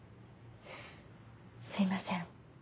すいません。